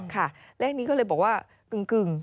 เลขนี้ก็เลยบอกว่ากึ่ง